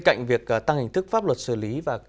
cạnh việc tăng hình thức pháp luật xử lý và